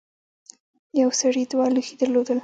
یو سړي دوه لوښي درلودل.